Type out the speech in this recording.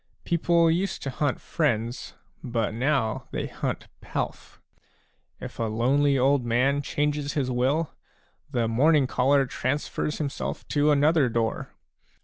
People used to hunt friends, but now they hunt pelf ; if a lonely old man changes his will, the morning caller transfers himself to another door.